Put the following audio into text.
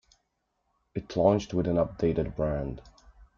It launched with an updated brand.